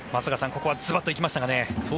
ここはズバッと行きましたかね。